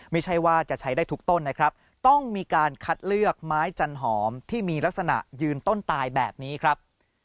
ไม่ใช่ว่าจะใช้ได้ทุกต้นนะครับต้องมีการคัดเลือกไม้จันหอมที่มีลักษณะยืนต้นตายแบบนี้ครับ